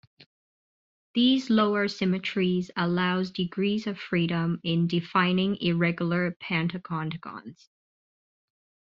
These lower symmetries allows degrees of freedom in defining irregular pentacontagons.